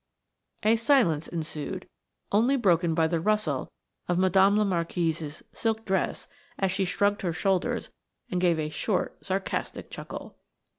A silence ensued, only broken by the rustle of Madame la Marquise's silk dress as she shrugged her shoulders and gave a short, sarcastic chuckle.